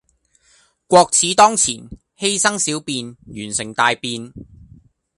國恥當前，犧牲小便，完成大便